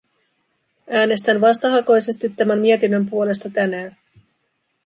Äänestän vastahakoisesti tämän mietinnön puolesta tänään.